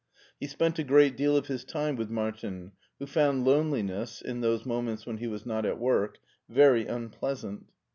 He spent a great deal of his time with Martin, who found loneliness, in those moments when he was not at work, very unpleasant.